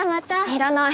いらない。